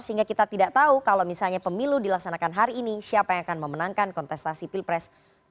sehingga kita tidak tahu kalau misalnya pemilu dilaksanakan hari ini siapa yang akan memenangkan kontestasi pilpres dua ribu sembilan belas